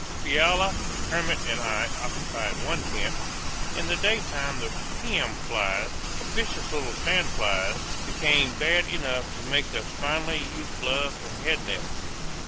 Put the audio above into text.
Fiala, Kermit, and I occupied one tent. In the daytime the "pium" flies, vicious little sand flies, became bad enough to make us finally use gloves and head nets.